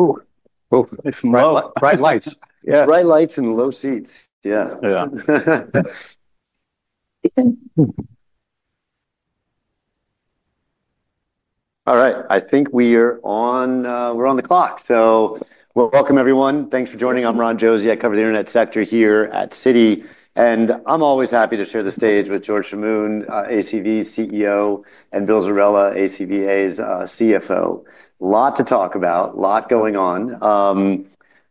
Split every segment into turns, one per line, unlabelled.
Ooh, ooh, it's bright lights. Yeah.
Bright lights and low seats. Yeah.
Yeah.
All right, I think we're on the clock. So welcome, everyone. Thanks for joining. I'm Ron Josey. I cover the internet sector here at Citi. And I'm always happy to share the stage with George Chamoun, ACV CEO, and Bill Zerella, ACVA's CFO. Lot to talk about, lot going on.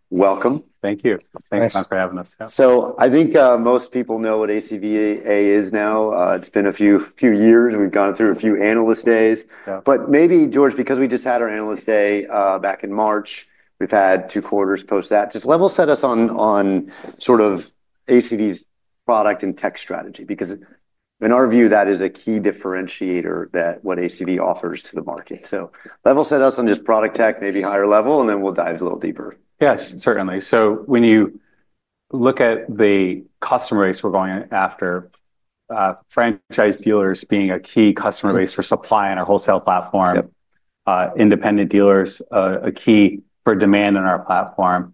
Welcome.
Thank you. Thanks for having us.
I think most people know what ACVA is now. It's been a few years. We've gone through a few analyst days. But maybe, George, because we just had our analyst day back in March, we've had two quarters post that, just level set us on sort of ACV's product and tech strategy, because in our view, that is a key differentiator that what ACV offers to the market. Level set us on just product tech, maybe higher level, and then we'll dive a little deeper.
Yes, certainly. So when you look at the customer base we're going after, franchise dealers being a key customer base for supply on our wholesale platform, independent dealers a key for demand on our platform.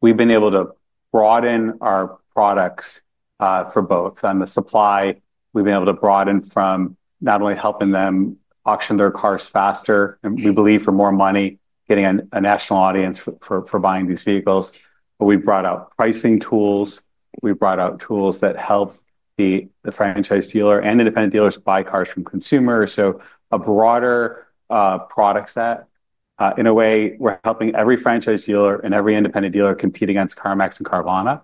We've been able to broaden our products for both. On the supply, we've been able to broaden from not only helping them auction their cars faster, and we believe for more money, getting a national audience for buying these vehicles. But we've brought out pricing tools. We've brought out tools that help the franchise dealer and independent dealers buy cars from consumers. So a broader product set. In a way, we're helping every franchise dealer and every independent dealer compete against CarMax and Carvana.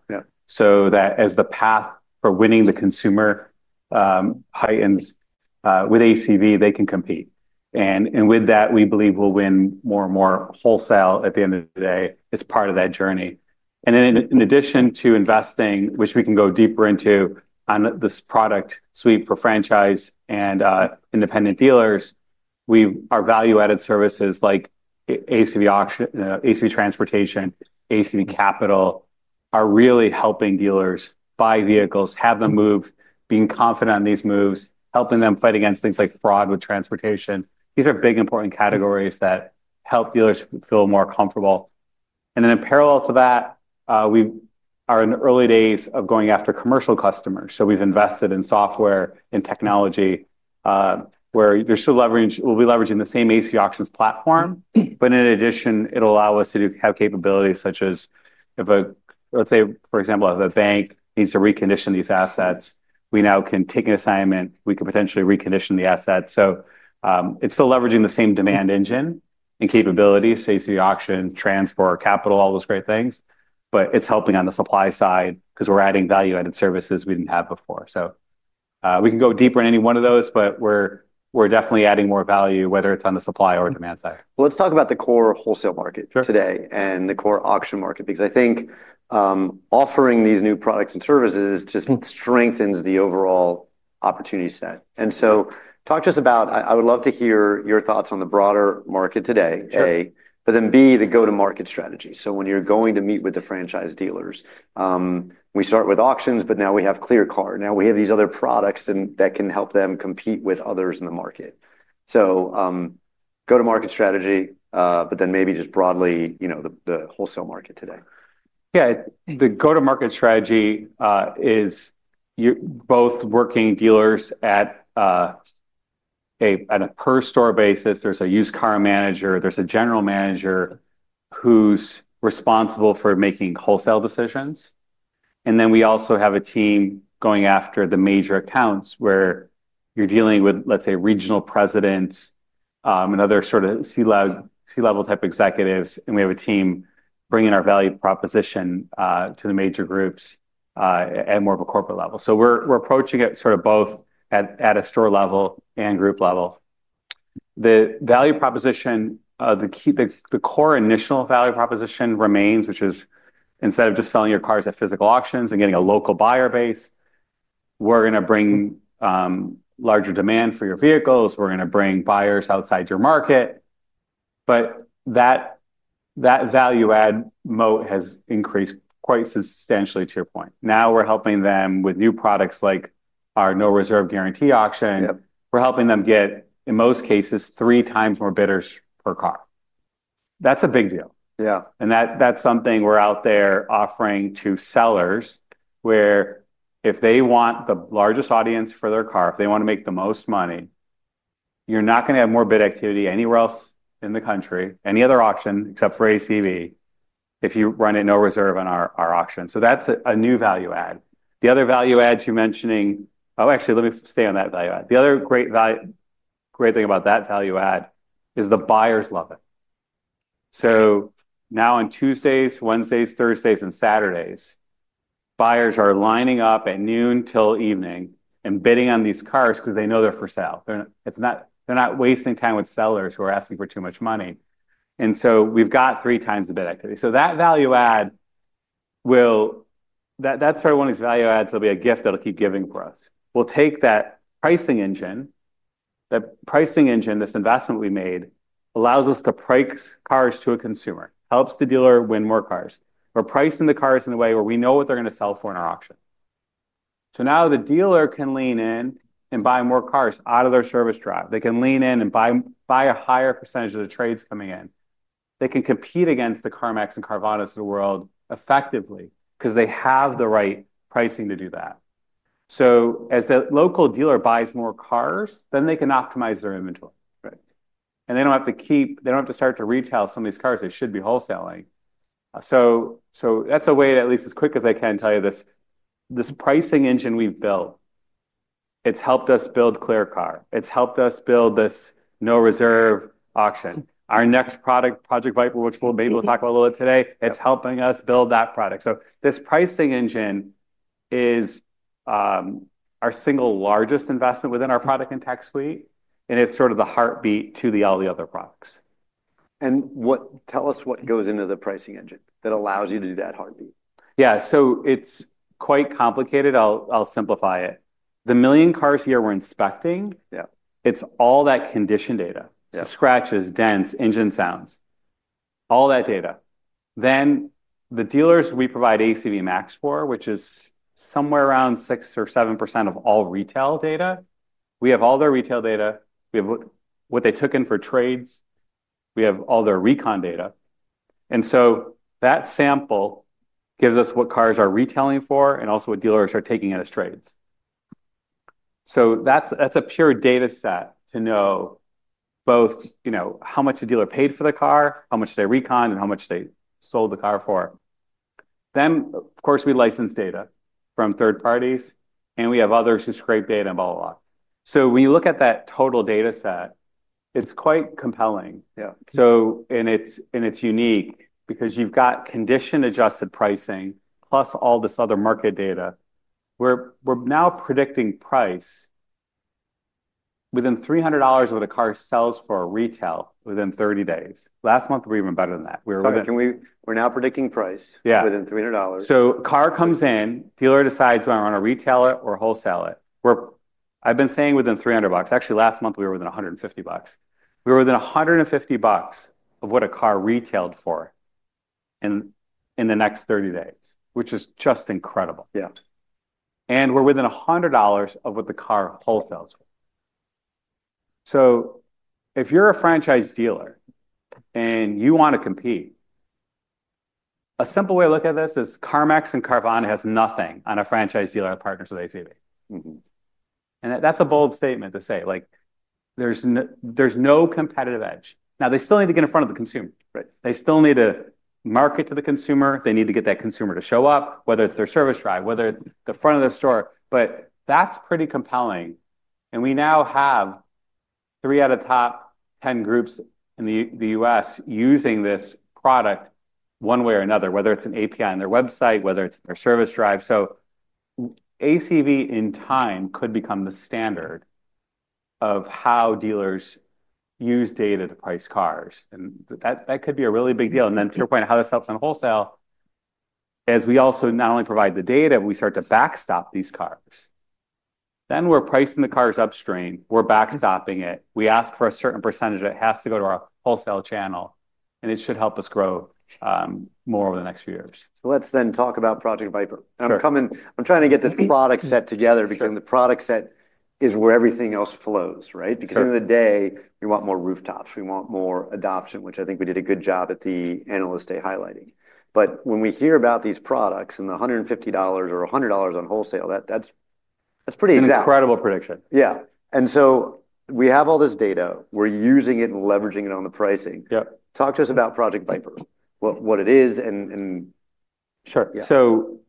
So that as the path for winning the consumer heightens with ACV, they can compete. And with that, we believe we'll win more and more wholesale at the end of the day as part of that journey. And in addition to investing, which we can go deeper into on this product suite for franchise and independent dealers, our value-added services like ACV Transportation, ACV Capital are really helping dealers buy vehicles, have them move, being confident on these moves, helping them fight against things like fraud with transportation. These are big, important categories that help dealers feel more comfortable. And then in parallel to that, we are in the early days of going after commercial customers. So we've invested in software and technology where we'll be leveraging the same ACV Auctions platform. But in addition, it'll allow us to have capabilities such as, let's say, for example, if a bank needs to recondition these assets, we now can take an assignment, we can potentially recondition the assets. So it's still leveraging the same demand engine and capabilities, so ACV Auctions, Transport, Capital, all those great things. But it's helping on the supply side because we're adding value-added services we didn't have before. So we can go deeper in any one of those, but we're definitely adding more value, whether it's on the supply or demand side.
Let's talk about the core wholesale market today and the core auction market, because I think offering these new products and services just strengthens the overall opportunity set. And so talk to us about, I would love to hear your thoughts on the broader market today, A, but then B, the go-to-market strategy. So when you're going to meet with the franchise dealers, we start with auctions, but now we have ClearCar. Now we have these other products that can help them compete with others in the market. So go-to-market strategy, but then maybe just broadly the wholesale market today.
Yeah, the go-to-market strategy is both working dealers at a per-store basis. There's a used car manager. There's a general manager who's responsible for making wholesale decisions. And then we also have a team going after the major accounts where you're dealing with, let's say, regional presidents and other sort of C-level type executives. And we have a team bringing our value proposition to the major groups at more of a corporate level. So we're approaching it sort of both at a store level and group level. The value proposition, the core initial value proposition remains, which is instead of just selling your cars at physical auctions and getting a local buyer base, we're going to bring larger demand for your vehicles. We're going to bring buyers outside your market. But that value-add moat has increased quite substantially to your point. Now we're helping them with new products like our No-Reserve Guarantee Auction. We're helping them get, in most cases, three times more bidders per car. That's a big deal. Yeah, and that's something we're out there offering to sellers where if they want the largest audience for their car, if they want to make the most money, you're not going to have more bid activity anywhere else in the country, any other auction except for ACV, if you run a No-Reserve on our auction. So that's a new value-add. The other value-adds you're mentioning, oh, actually, let me stay on that value-add. The other great thing about that value-add is the buyers love it. So now on Tuesdays, Wednesdays, Thursdays, and Saturdays, buyers are lining up at noon till evening and bidding on these cars because they know they're for sale. They're not wasting time with sellers who are asking for too much money, and so we've got three times the bid activity. That value-add will, that's sort of one of these value-adds that'll be a gift that'll keep giving for us. We'll take that pricing engine, that pricing engine. This investment we made allows us to price cars to a consumer, helps the dealer win more cars. We're pricing the cars in a way where we know what they're going to sell for in our auction. So now the dealer can lean in and buy more cars out of their service drive. They can lean in and buy a higher percentage of the trades coming in. They can compete against the CarMax and Carvana's of the world effectively because they have the right pricing to do that. So as a local dealer buys more cars, then they can optimize their inventory. And they don't have to keep, they don't have to start to retail some of these cars they should be wholesaling. So that's a way that at least as quick as I can tell you this, this pricing engine we've built, it's helped us build ClearCart. It's helped us build this No-Reserve auction. Our next product, Project Viper, which we'll maybe talk a little bit today, it's helping us build that product. So this pricing engine is our single largest investment within our product and tech suite, and it's sort of the heartbeat to all the other products.
Tell us what goes into the pricing engine that allows you to do that heartbeat.
Yeah, so it's quite complicated. I'll simplify it. The million cars here we're inspecting, it's all that condition data, scratches, dents, engine sounds, all that data. Then the dealers we provide ACV MAX for, which is somewhere around 6% or 7% of all retail data, we have all their retail data, we have what they took in for trades, we have all their recon data. That sample gives us what cars are retailing for and also what dealers are taking out as trades. So that's a pure data set to know both how much the dealer paid for the car, how much they reconned, and how much they sold the car for. Then, of course, we license data from third parties, and we have others who scrape data and blah, blah, blah. So when you look at that total data set, it's quite compelling. It's unique because you've got condition-adjusted pricing plus all this other market data. We're now predicting price within $300 of what a car sells for retail within 30 days. Last month, we were even better than that.
We're now predicting price within $300.
So a car comes in, dealer decides whether we're going to retail it or wholesale it. I've been saying within $300. Actually, last month, we were within $150. We were within $150 of what a car retailed for in the next 30 days, which is just incredible. Yeah, and we're within $100 of what the car wholesales for. So if you're a franchise dealer and you want to compete, a simple way to look at this is CarMax and Carvana has nothing on a franchise dealer that partners with ACV. And that's a bold statement to say. There's no competitive edge. Now, they still need to get in front of the consumer. They still need to market to the consumer. They need to get that consumer to show up, whether it's their service drive, whether it's the front of their store. But that's pretty compelling. And we now have three out of the top 10 groups in the U.S. using this product one way or another, whether it's an API on their website, whether it's their service drive, so ACV in time could become the standard of how dealers use data to price cars, and that could be a really big deal, and then to your point, how this helps on wholesale, as we also not only provide the data, we start to backstop these cars, then we're pricing the cars upstream. We're backstopping it. We ask for a certain percentage that has to go to our wholesale channel, and it should help us grow more over the next few years.
So let's then talk about Project Viper. I'm trying to get this product set together because the product set is where everything else flows, right? Because at the end of the day, we want more rooftops. We want more adoption, which I think we did a good job at the analyst day highlighting. But when we hear about these products and the $150 or $100 on wholesale, that's pretty exotic.
It's an incredible prediction.
Yeah, and so we have all this data. We're using it and leveraging it on the pricing. Talk to us about Project Viper, what it is and.
Sure. So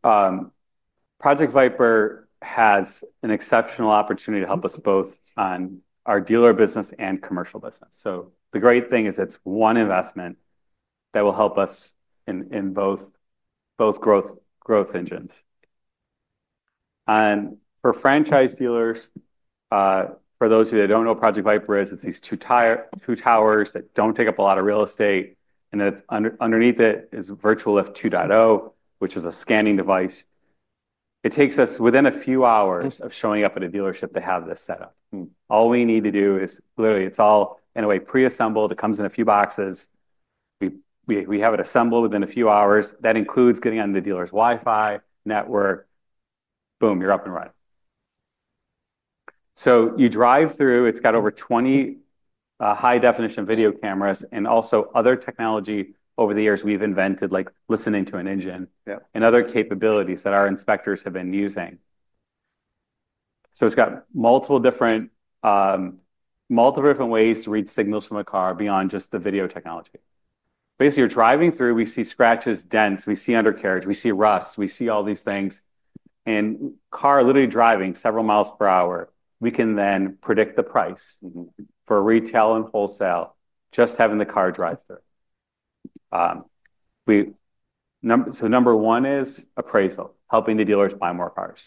Project Viper has an exceptional opportunity to help us both on our dealer business and commercial business. So the great thing is it's one investment that will help us in both growth engines. And for franchise dealers, for those of you that don't know what Project Viper is, it's these two towers that don't take up a lot of real estate. And then underneath it is Virtual Lift 2.0, which is a scanning device. It takes us within a few hours of showing up at a dealership to have this set up. All we need to do is literally, it's all in a way pre-assembled. It comes in a few boxes. We have it assembled within a few hours. That includes getting on the dealer's Wi-Fi network. Boom, you're up and running. So you drive through. It's got over 20 high-definition video cameras and also other technology over the years we've invented, like listening to an engine and other capabilities that our inspectors have been using. So it's got multiple different ways to read signals from a car beyond just the video technology. Basically, you're driving through. We see scratches, dents. We see undercarriage. We see rust. We see all these things. And a car literally driving several miles per hour, we can then predict the price for retail and wholesale just having the car drive through. So number one is appraisal, helping the dealers buy more cars.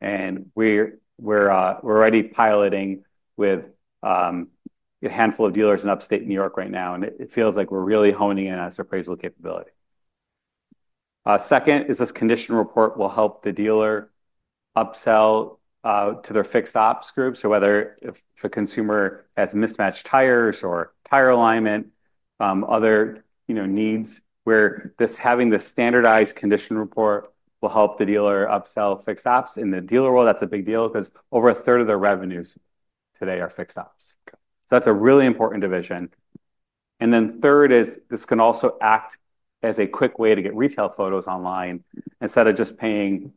And we're already piloting with a handful of dealers in upstate New York right now. And it feels like we're really honing in on this appraisal capability. Second is this condition report will help the dealer upsell to their fixed ops groups. So whether if a consumer has mismatched tires or tire alignment, other needs, having this standardized condition report will help the dealer upsell fixed ops. In the dealer world, that's a big deal because over a third of their revenues today are fixed ops. So that's a really important division, and then third is this can also act as a quick way to get retail photos online instead of just paying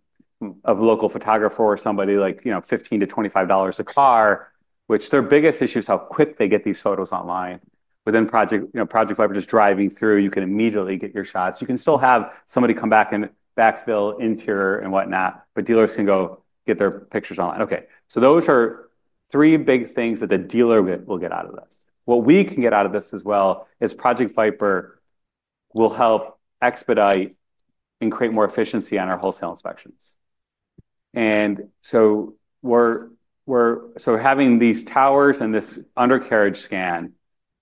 a local photographer or somebody like $15-$25 a car, which their biggest issue is how quick they get these photos online. Within Project Viper, just driving through, you can immediately get your shots. You can still have somebody come back and backfill, interior, and whatnot, but dealers can go get their pictures online. Okay, so those are three big things that the dealer will get out of this. What we can get out of this as well is Project Viper will help expedite and create more efficiency on our wholesale inspections. And so having these towers and this undercarriage scan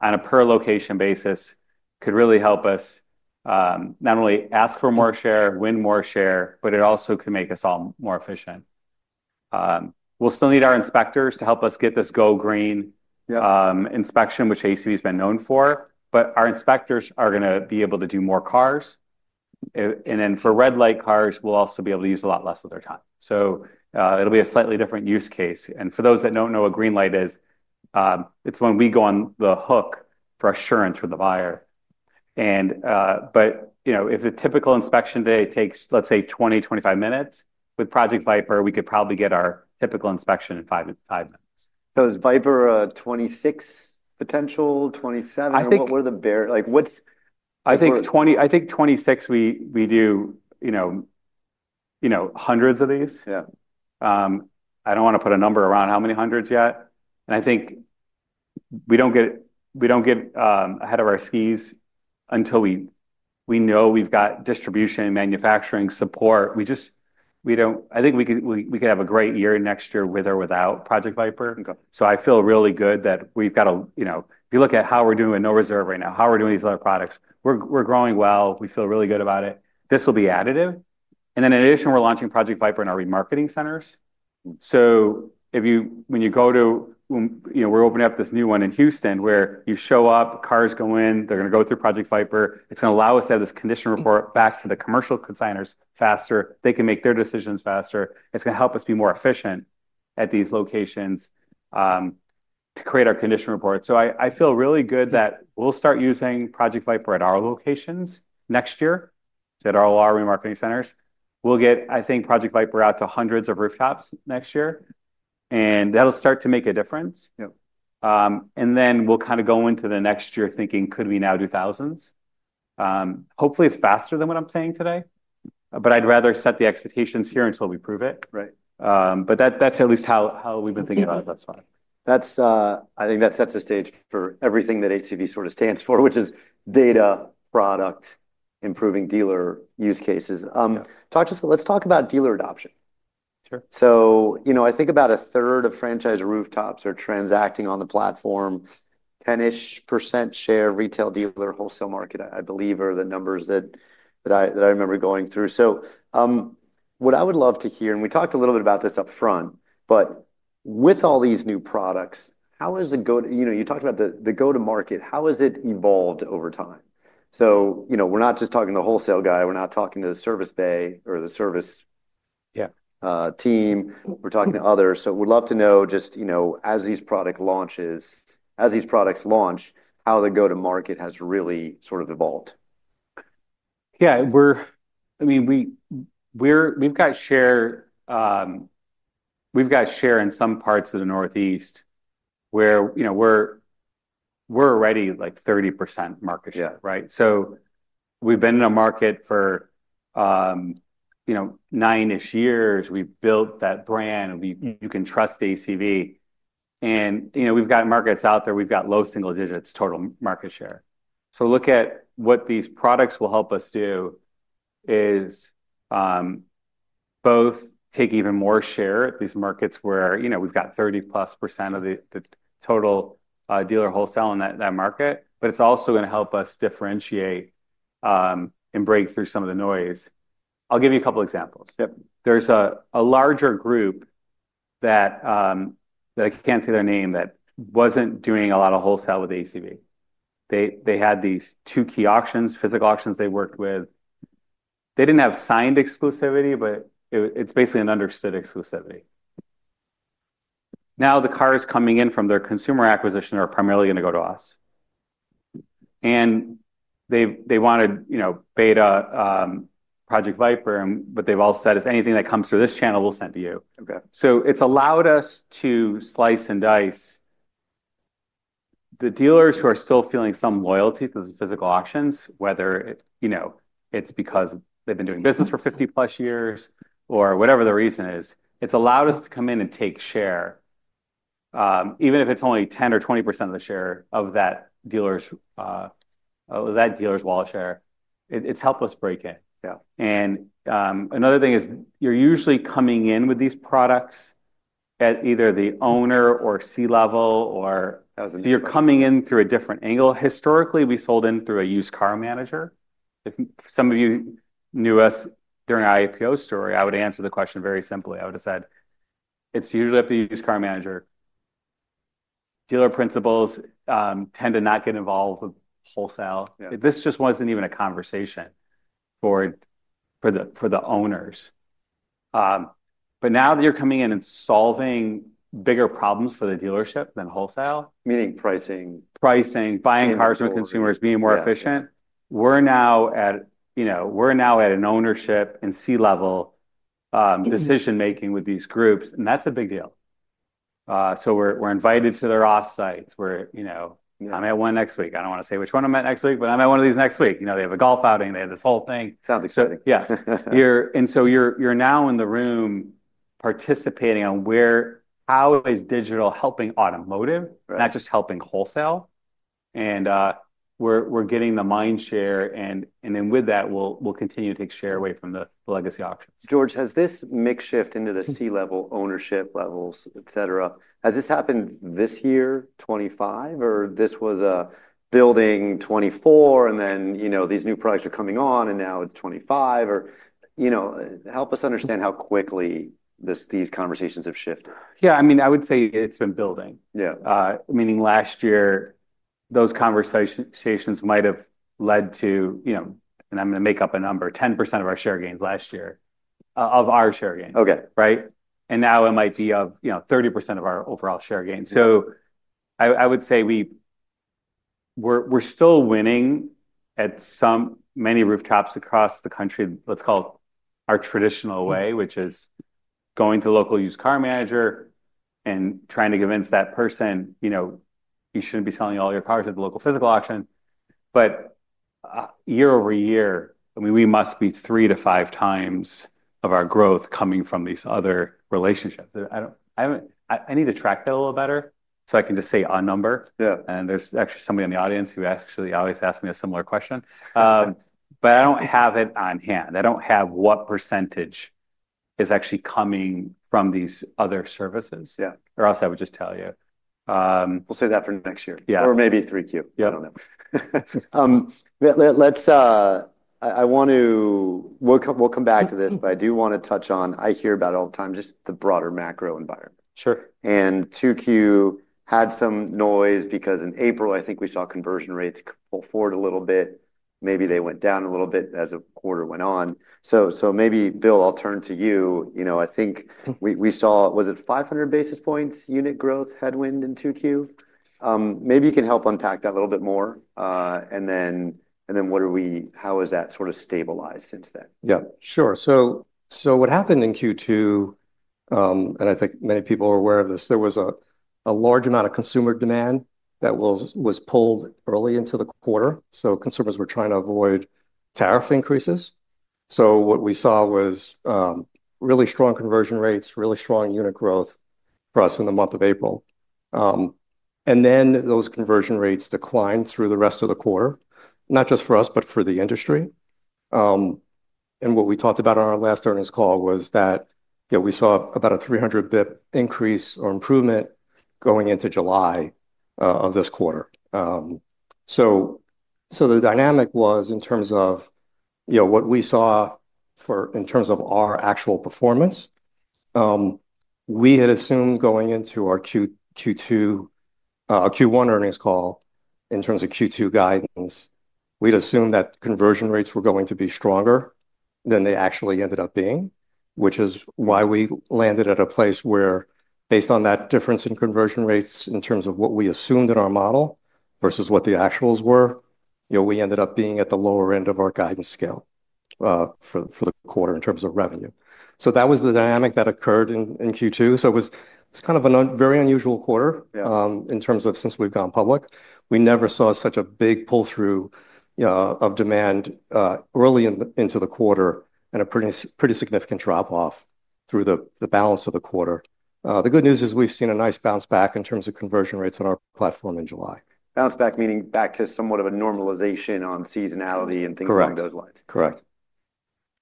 on a per-location basis could really help us not only ask for more share, win more share, but it also could make us all more efficient. We'll still need our inspectors to help us get this Green Light Inspection, which ACV has been known for, but our inspectors are going to be able to do more cars. And then for Red Light cars, we'll also be able to use a lot less of their time. So it'll be a slightly different use case. And for those that don't know what Green Light is, it's when we go on the hook for assurance from the buyer. But if a typical inspection day takes, let's say, 20–25 minutes, with Project Viper, we could probably get our typical inspection in five minutes.
Is Viper a $26 potential, $27? What were the bears?
I think 26. We do hundreds of these. I don't want to put a number around how many hundreds yet, and I think we don't get ahead of our skis until we know we've got distribution, manufacturing, support. I think we could have a great year next year with or without Project Viper, so I feel really good that we've got a, if you look at how we're doing with no reserve right now, how we're doing these other products, we're growing well. We feel really good about it. This will be additive, and then in addition, we're launching Project Viper in our remarketing centers, so when you go to, we're opening up this new one in Houston where you show up, cars go in, they're going to go through Project Viper. It's going to allow us to have this condition report back to the commercial consignors faster. They can make their decisions faster. It's going to help us be more efficient at these locations to create our condition report, so I feel really good that we'll start using Project Viper at our locations next year at our remarketing centers. We'll get, I think, Project Viper out to hundreds of rooftops next year, and that'll start to make a difference, and then we'll kind of go into the next year thinking, could we now do thousands? Hopefully, it's faster than what I'm saying today, but I'd rather set the expectations here until we prove it, but that's at least how we've been thinking about it thus far.
I think that sets the stage for everything that ACV sort of stands for, which is data, product, improving dealer use cases. Let's talk about dealer adoption.
Sure.
So I think about a third of franchise rooftops are transacting on the platform. 10-ish% share retail dealer wholesale market, I believe, are the numbers that I remember going through. So what I would love to hear, and we talked a little bit about this upfront, but with all these new products, how is the go-to-market? You talked about the go-to-market. How has it evolved over time? So we're not just talking to the wholesale guy. We're not talking to the service bay or the service team. We're talking to others. So we'd love to know just as these product launches, as these products launch, how the go-to-market has really sort of evolved.
Yeah. I mean, we've got share in some parts of the Northeast where we're already like 30% market share, right? So we've been in a market for nine-ish years. We've built that brand. You can trust ACV. And we've got markets out there. We've got low single digits total market share. So look at what these products will help us do is both take even more share at these markets where we've got 30-plus% of the total dealer wholesale in that market, but it's also going to help us differentiate and break through some of the noise. I'll give you a couple of examples. There's a larger group that I can't say their name that wasn't doing a lot of wholesale with ACV. They had these two key auctions, physical auctions they worked with. They didn't have signed exclusivity, but it's basically an understood exclusivity. Now, the cars coming in from their consumer acquisition are primarily going to go to us. And they wanted beta Project Viper, but they've all said, "If anything that comes through this channel, we'll send to you." So it's allowed us to slice and dice. The dealers who are still feeling some loyalty to the physical auctions, whether it's because they've been doing business for 50-plus years or whatever the reason is, it's allowed us to come in and take share. Even if it's only 10% or 20% of the share of that dealer's wallet share, it's helped us break in. And another thing is you're usually coming in with these products at either the owner or C-level, or you're coming in through a different angle. Historically, we sold in through a used car manager. If some of you knew us during our IPO story, I would answer the question very simply. I would have said, "It's usually up to the used car manager." Dealer principals tend to not get involved with wholesale. This just wasn't even a conversation for the owners. But now that you're coming in and solving bigger problems for the dealership than wholesale.
Meaning pricing.
Pricing, buying cars from consumers, being more efficient. We're now at an ownership and C-level decision-making with these groups. And that's a big deal. So we're invited to their off-sites. I'm at one next week. I don't want to say which one I'm at next week, but I'm at one of these next week. They have a golf outing. They have this whole thing.
Sounds exciting.
Yes. And so you're now in the room participating on how is digital helping automotive, not just helping wholesale. And we're getting the mind share. And then with that, we'll continue to take share away from the legacy auctions.
George, has this made its way into the C-level ownership levels, etc., has this happened this year, 2025, or this was building in 2024, and then these new products are coming on, and now it's 2025? Help us understand how quickly these conversations have shifted.
Yeah. I mean, I would say it's been building. Meaning last year, those conversations might have led to, and I'm going to make up a number, 10% of our share gains last year of our share gains, right? And now it might be of 30% of our overall share gains. So I would say we're still winning at many rooftops across the country, let's call it our traditional way, which is going to the local used car manager and trying to convince that person, "You shouldn't be selling all your cars at the local physical auction." But year over year, I mean, we must be three to five times of our growth coming from these other relationships. I need to track that a little better so I can just say a number. And there's actually somebody in the audience who actually always asks me a similar question. But I don't have it on hand. I don't have what percentage is actually coming from these other services. Or else I would just tell you.
We'll save that for next year. Or maybe 3Q. I don't know. I want to; we'll come back to this, but I do want to touch on. I hear about it all the time, just the broader macro environment, and 2Q had some noise because in April, I think we saw conversion rates pull forward a little bit. Maybe they went down a little bit as a quarter went on. So maybe, Bill, I'll turn to you. I think we saw, was it 500 basis points unit growth headwind in 2Q? Maybe you can help unpack that a little bit more, and then how has that sort of stabilized since then?
Yeah, sure. So what happened in Q2, and I think many people are aware of this, there was a large amount of consumer demand that was pulled early into the quarter. So consumers were trying to avoid tariff increases. So what we saw was really strong conversion rates, really strong unit growth for us in the month of April, and then those conversion rates declined through the rest of the quarter, not just for us, but for the industry, and what we talked about on our last earnings call was that we saw about a 300 basis point increase or improvement going into July of this quarter, so the dynamic was in terms of what we saw in terms of our actual performance. We had assumed going into our Q1 earnings call in terms of Q2 guidance, we'd assumed that conversion rates were going to be stronger than they actually ended up being, which is why we landed at a place where, based on that difference in conversion rates in terms of what we assumed in our model versus what the actuals were, we ended up being at the lower end of our guidance scale for the quarter in terms of revenue. So that was the dynamic that occurred in Q2. So it was kind of a very unusual quarter in terms of since we've gone public. We never saw such a big pull-through of demand early into the quarter and a pretty significant drop-off through the balance of the quarter. The good news is we've seen a nice bounce back in terms of conversion rates on our platform in July.
Bounce back, meaning back to somewhat of a normalization on seasonality and things along those lines.
Correct.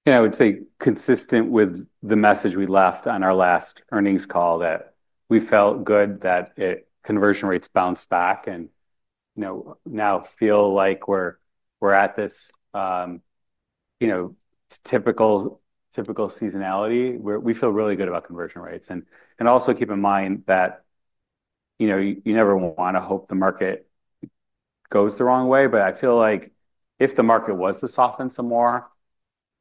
Yeah, I would say consistent with the message we left on our last earnings call that we felt good that conversion rates bounced back and now feel like we're at this typical seasonality. We feel really good about conversion rates, and also keep in mind that you never want to hope the market goes the wrong way, but I feel like if the market was to soften some more,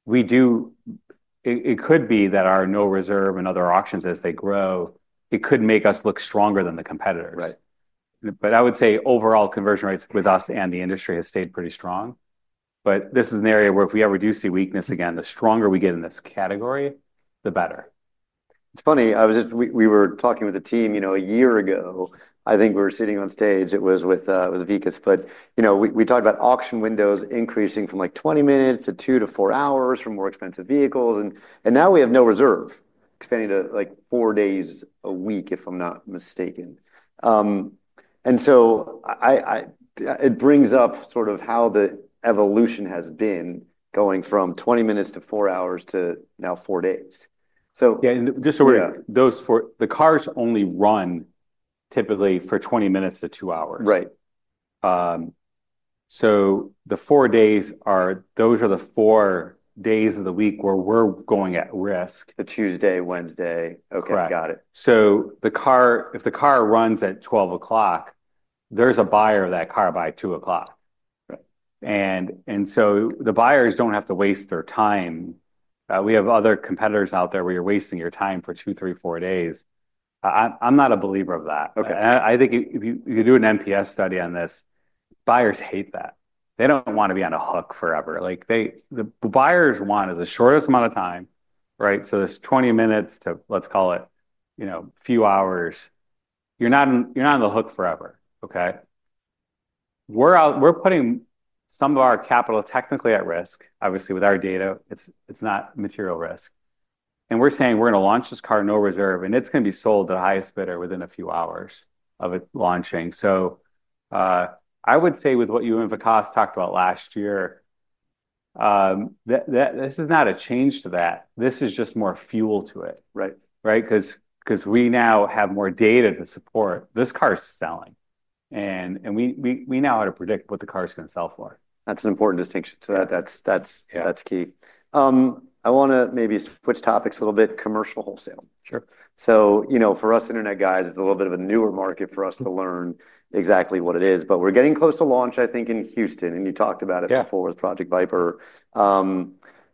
it could be that our No-Reserve and other auctions, as they grow, it could make us look stronger than the competitors, but I would say overall conversion rates with us and the industry have stayed pretty strong, but this is an area where if we ever do see weakness again, the stronger we get in this category, the better.
It's funny. We were talking with the team a year ago. I think we were sitting on stage. It was with Vikas, but we talked about auction windows increasing from like 20 minutes to two to four hours for more expensive vehicles, and now we have no reserve expanding to like four days a week, if I'm not mistaken, and so it brings up sort of how the evolution has been going from 20 minutes to four hours to now four days.
Yeah. And just so we're clear, the cars only run typically for 20 minutes to two hours. So the four days, those are the four days of the week where we're going at risk. The Tuesday, Wednesday.
Okay, got it.
Correct. So if the car runs at 12 o'clock, there's a buyer of that car by 2 o'clock. And so the buyers don't have to waste their time. We have other competitors out there where you're wasting your time for two, three, four days. I'm not a believer of that. I think if you do an NPS study on this, buyers hate that. They don't want to be on a hook forever. What buyers want is the shortest amount of time, right? So there's 20 minutes to, let's call it, a few hours. You're not on the hook forever, okay? We're putting some of our capital technically at risk, obviously, with our data. It's not material risk. And we're saying we're going to launch this car no reserve, and it's going to be sold to the highest bidder within a few hours of it launching. So I would say with what you and Vikas talked about last year, this is not a change to that. This is just more fuel to it, right? Because we now have more data to support this car's selling. And we now have to predict what the car's going to sell for.
That's an important distinction to that. That's key. I want to maybe switch topics a little bit, commercial wholesale, so for us internet guys, it's a little bit of a newer market for us to learn exactly what it is, but we're getting close to launch, I think, in Houston, and you talked about it before with Project Viper,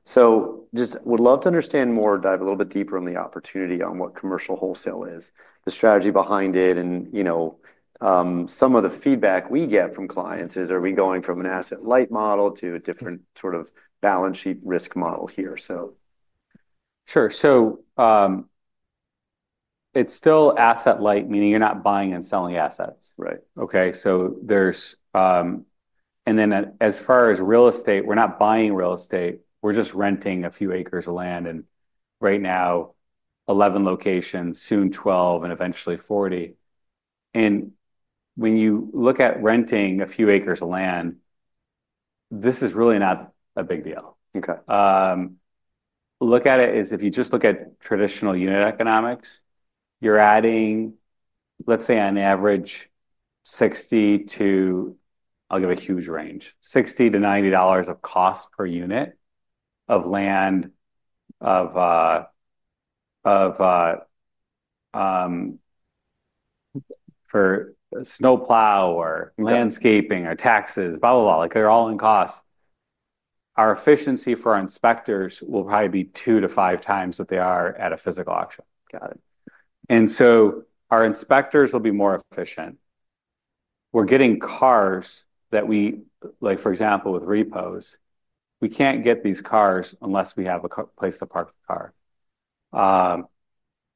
so just would love to understand more, dive a little bit deeper on the opportunity on what commercial wholesale is, the strategy behind it, and some of the feedback we get from clients is, are we going from an asset light model to a different sort of balance sheet risk model here?
Sure. So it's still asset light, meaning you're not buying and selling assets.
Right.
Okay. And then as far as real estate, we're not buying real estate. We're just renting a few acres of land. And right now, 11 locations, soon 12, and eventually 40. And when you look at renting a few acres of land, this is really not a big deal. Look at it as if you just look at traditional unit economics, you're adding, let's say, on average, $60-$90 of cost per unit of land for snowplow or landscaping or taxes, blah, blah, blah. They're all in cost. Our efficiency for our inspectors will probably be two to five times what they are at a physical auction. And so our inspectors will be more efficient. We're getting cars that we, for example, with repos, we can't get these cars unless we have a place to park the car.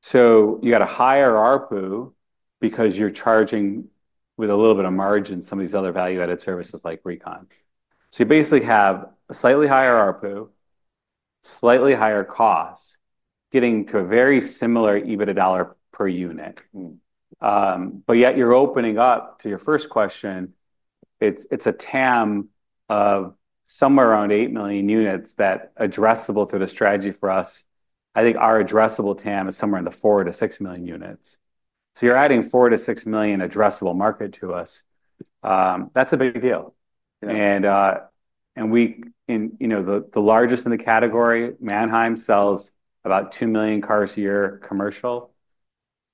So you got a higher ARPU because you're charging with a little bit of margin some of these other value-added services like recon. So you basically have a slightly higher ARPU, slightly higher cost, getting to a very similar EBITDA per unit. But yet you're opening up to your first question. It's a TAM of somewhere around 8 million units that's addressable through the strategy for us. I think our addressable TAM is somewhere in the 4-6 million units. So you're adding 4-6 million addressable market to us. That's a big deal. And the largest in the category, Manheim, sells about 2 million cars a year commercial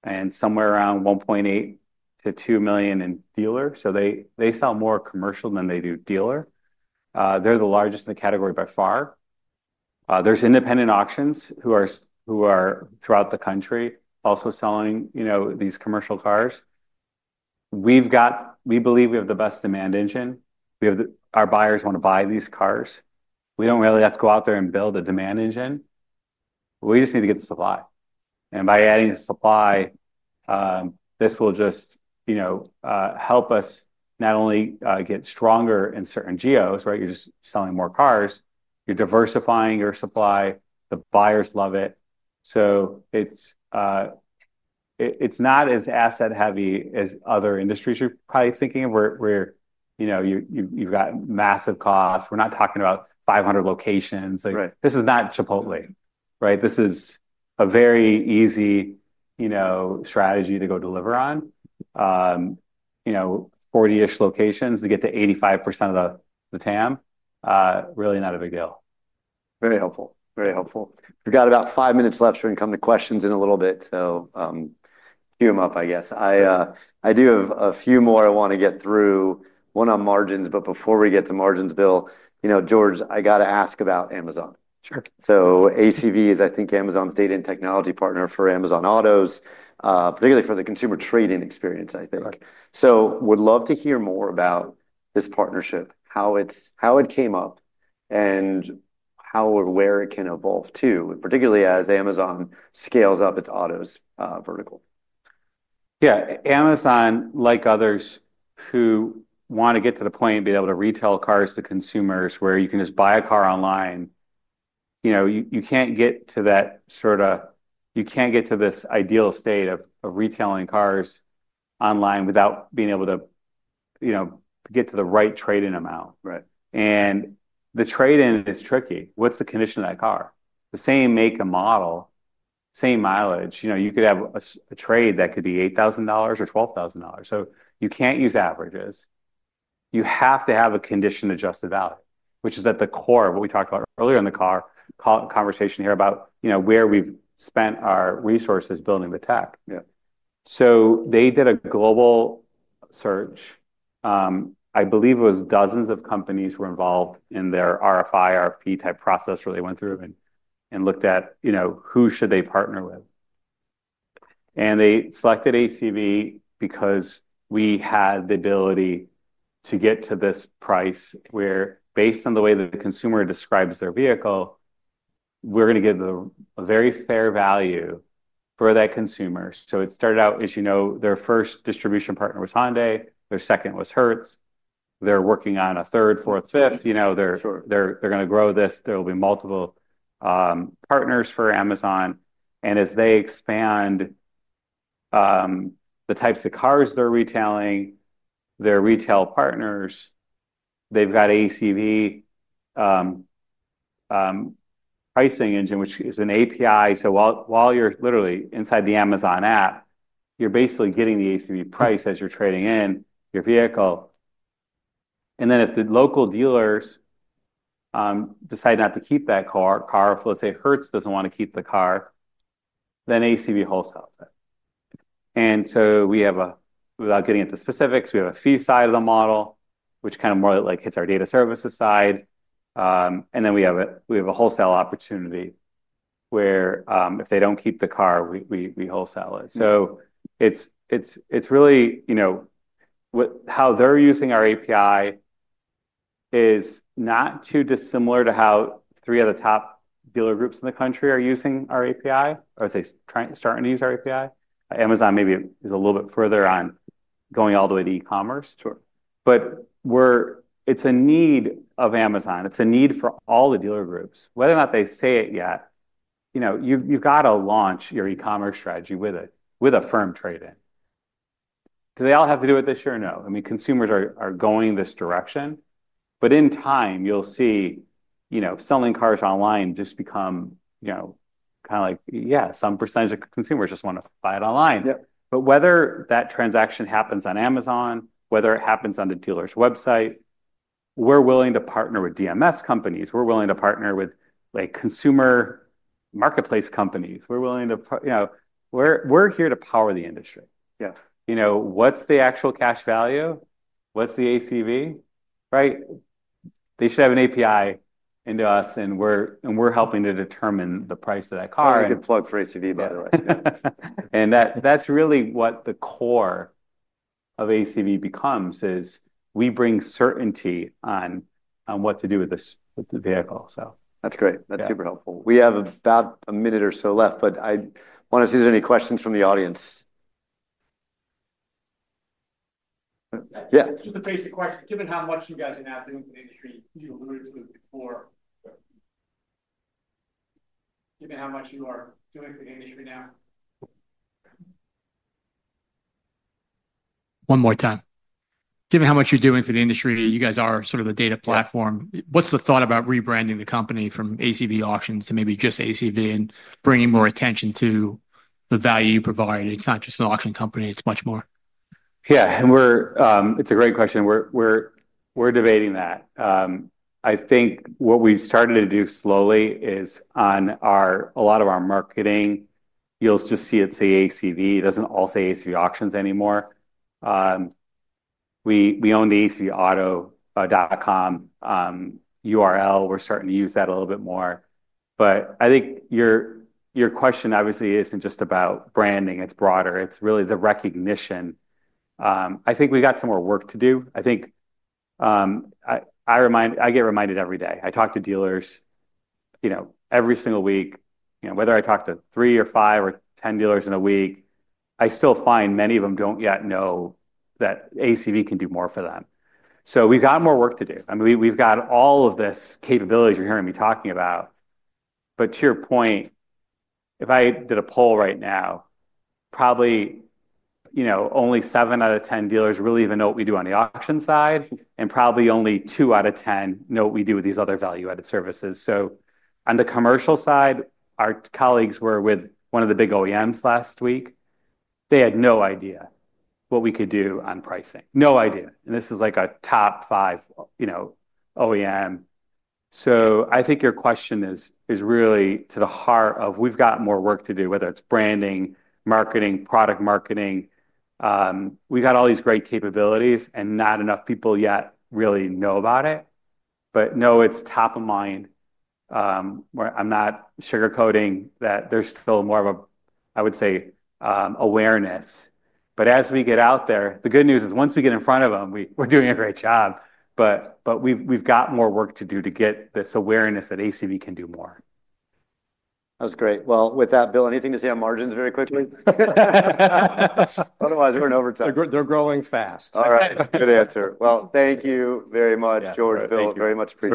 and somewhere around 1.8-2 million in dealer. So they sell more commercial than they do dealer. They're the largest in the category by far. There's independent auctions throughout the country also selling these commercial cars. We believe we have the best demand engine. Our buyers want to buy these cars. We don't really have to go out there and build a demand engine. We just need to get the supply, and by adding supply, this will just help us not only get stronger in certain geos, right? You're just selling more cars. You're diversifying your supply. The buyers love it, so it's not as asset-heavy as other industries you're probably thinking. You've got massive costs. We're not talking about 500 locations. This is not Chipotle, right? This is a very easy strategy to go deliver on. 40-ish locations to get to 85% of the TAM. Really not a big deal.
Very helpful. Very helpful. We've got about five minutes left for incoming questions in a little bit, so cue them up, I guess. I do have a few more I want to get through. One on margins. But before we get to margins, Bill, George, I got to ask about Amazon. So ACV is, I think, Amazon's data and technology partner for Amazon Autos, particularly for the consumer trading experience, I think. So would love to hear more about this partnership, how it came up, and how or where it can evolve too, particularly as Amazon scales up its autos vertical.
Yeah. Amazon, like others who want to get to the point and be able to retail cars to consumers where you can just buy a car online, you can't get to that sort of, you can't get to this ideal state of retailing cars online without being able to get to the right trade-in amount. And the trade-in is tricky. What's the condition of that car? The same make and model, same mileage. You could have a trade that could be $8,000 or $12,000. So you can't use averages. You have to have a condition-adjusted value, which is at the core of what we talked about earlier in the car conversation here about where we've spent our resources building the tech. So they did a global search. I believe it was dozens of companies were involved in their RFI, RFP type process where they went through and looked at who should they partner with. And they selected ACV because we had the ability to get to this price where, based on the way that the consumer describes their vehicle, we're going to give them a very fair value for that consumer. So it started out, as you know, their first distribution partner was Hyundai. Their second was Hertz. They're working on a third, fourth, fifth. They're going to grow this. There will be multiple partners for Amazon. And as they expand the types of cars they're retailing, their retail partners, they've got ACV pricing engine, which is an API. So while you're literally inside the Amazon app, you're basically getting the ACV price as you're trading in your vehicle. Then if the local dealers decide not to keep that car, let's say Hertz doesn't want to keep the car, then ACV wholesales it. And so we have, without getting into specifics, we have a fee side of the model, which kind of more hits our data services side. And then we have a wholesale opportunity where if they don't keep the car, we wholesale it. So it's really how they're using our API is not too dissimilar to how three of the top dealer groups in the country are using our API, or I would say starting to use our API. Amazon maybe is a little bit further on going all the way to e-commerce. But it's a need of Amazon. It's a need for all the dealer groups. Whether or not they say it yet, you've got to launch your e-commerce strategy with a firm trade-in. Do they all have to do it this year or no? I mean, consumers are going this direction, but in time, you'll see selling cars online just become kind of like, yeah, some percentage of consumers just want to buy it online, but whether that transaction happens on Amazon, whether it happens on the dealer's website, we're willing to partner with DMS companies. We're willing to partner with consumer marketplace companies. We're willing to, we're here to power the industry. What's the actual cash value? What's the ACV? Right? They should have an API into us, and we're helping to determine the price of that car.
Oh, you can plug for ACV, by the way.
That's really what the core of ACV becomes is we bring certainty on what to do with the vehicle, so.
That's great. That's super helpful. We have about a minute or so left, but I want to see if there's any questions from the audience. Yeah. Just a basic question. Given how much you guys are now doing for the industry, you alluded to it before. Given how much you are doing for the industry now. One more time. Given how much you're doing for the industry, you guys are sort of the data platform. What's the thought about rebranding the company from ACV Auctions to maybe just ACV and bringing more attention to the value you provide? It's not just an auction company. It's much more.
Yeah. And it's a great question. We're debating that. I think what we've started to do slowly is on a lot of our marketing, you'll just see it say ACV. It doesn't all say ACV Auctions anymore. We own the acvauto.com URL. We're starting to use that a little bit more. But I think your question obviously isn't just about branding. It's broader. It's really the recognition. I think we've got some more work to do. I think I get reminded every day. I talk to dealers every single week. Whether I talk to three or five or 10 dealers in a week, I still find many of them don't yet know that ACV can do more for them. So we've got more work to do. I mean, we've got all of this capability you're hearing me talking about. But to your point, if I did a poll right now, probably only seven out of 10 dealers really even know what we do on the auction side, and probably only two out of 10 know what we do with these other value-added services. So on the commercial side, our colleagues were with one of the big OEMs last week. They had no idea what we could do on pricing. No idea. And this is like a top five OEM. So I think your question is really to the heart of we've got more work to do, whether it's branding, marketing, product marketing. We've got all these great capabilities, and not enough people yet really know about it. But no, it's top of mind. I'm not sugarcoating that. There's still more of a, I would say, awareness. But as we get out there, the good news is once we get in front of them, we're doing a great job. But we've got more work to do to get this awareness that ACV can do more.
That was great. Well, with that, Bill, anything to say on margins very quickly? Otherwise, we're in overtime.
They're growing fast.
All right.
Good answer. Well, thank you very much, George, Bill. Very much appreciated.